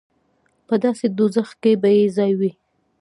په داسې دوزخ کې به یې ځای وي.